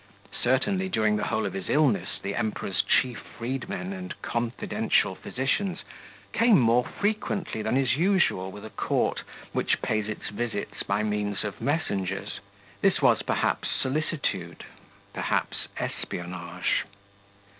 Certainly during the whole of his illness the Emperor's chief freedmen and confidential physicians came more frequently than is usual with a court which pays its visits by means of messengers. This was, perhaps, solicitude, perhaps espionage.